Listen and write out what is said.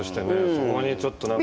そこにちょっと何か。